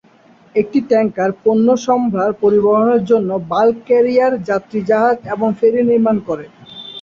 এটি ট্যাঙ্কার, পণ্যসম্ভার পরিবহনের জন্য বাল্ক ক্যারিয়ার, যাত্রী জাহাজ এবং ফেরী নির্মাণ করে।